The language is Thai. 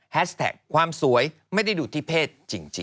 แท็กความสวยไม่ได้ดูที่เพศจริง